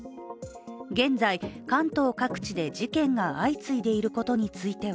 現在、関東各地で事件が相次いでいることについては